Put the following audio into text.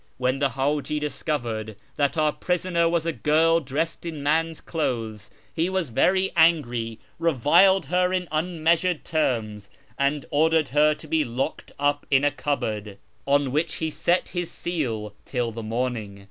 When the Haji discovered that our prisoner was a girl dressed in man's clothes he was very angry, reviled her in unmeasured terms, and ordered her to be locked up in a cupboard, on which he set his seal, till the morning.